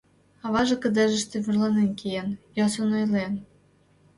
Аваже кыдежыште вӱрланен киен, йӧсын ойлен: